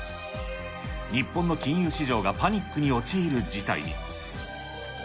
日本の金融市場がパニックに陥る事態に。